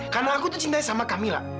karena aku tuh cintanya sama kamilah